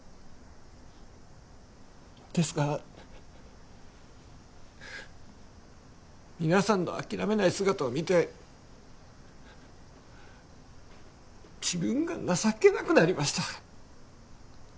ですが皆さんの諦めない姿を見て自分が情けなくなりました